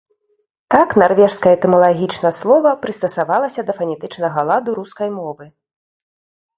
Так, нарвежскае этымалагічна слова прыстасавалася да фанетычнага ладу рускай мовы.